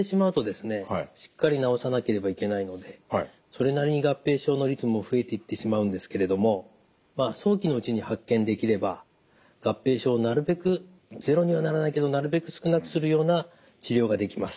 しっかり治さなければいけないのでそれなりに合併症の率も増えていってしまうんですけれどもまあ早期のうちに発見できれば合併症をなるべくゼロにはならないけどなるべく少なくするような治療ができます。